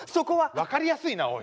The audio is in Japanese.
分かりやすいなおい。